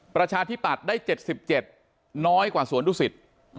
ประชาธิปัตย์ได้๗๗น้อยกว่าสวนดุสิต